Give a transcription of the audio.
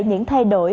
những thay đổi